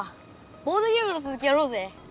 ボードゲームのつづきやろうぜ！